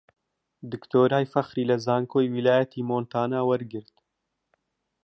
دکتۆرای فەخری لە زانکۆی ویلایەتی مۆنتانا وەرگرت